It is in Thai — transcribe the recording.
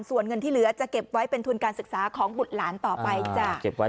ส่วนเงินที่เหลือจะเก็บไว้เป็นทุนการศึกษาของบุตรหลานต่อไปจ้ะ